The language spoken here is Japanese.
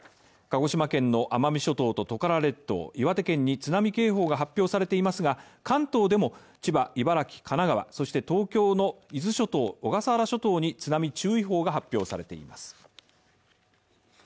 鹿児島県の奄美諸島とトカラ列島、岩手県に津波警報が発表されていますが関東でも千葉、茨城神奈川、そして東京の伊豆諸島、小笠原諸島に津波注意報が発表されています。